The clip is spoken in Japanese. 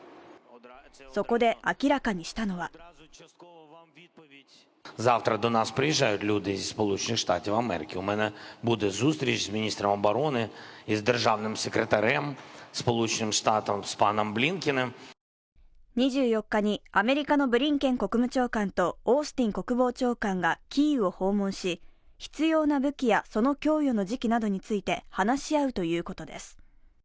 そこで明らかにしたのは２４日にアメリカのブリンケン国務長官とオースティン国防長官がキーウを訪問し必要な武器やその供与の時期などについて話し合うということです。